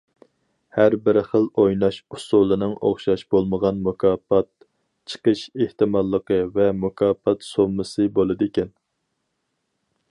ھەر بىر خىل ئويناش ئۇسۇلىنىڭ ئوخشاش بولمىغان مۇكاپات چىقىش ئېھتىماللىقى ۋە مۇكاپات سوممىسى بولىدىكەن.